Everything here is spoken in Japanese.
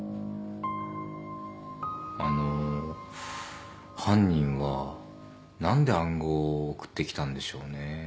あの犯人は何で暗号を送ってきたんでしょうね？